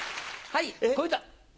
はい。